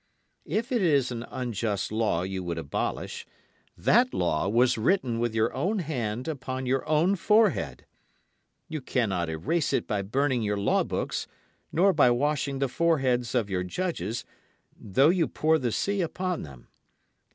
If it is an unjust law you would abolish, that law was written with your own hand upon your own forehead. You cannot erase it by burning your law books nor by washing the foreheads of your judges, though you pour the sea upon them.